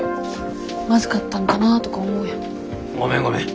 ごめんごめん。